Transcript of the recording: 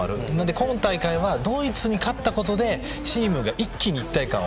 今大会はドイツに勝ったことでチームが一気に一体感を。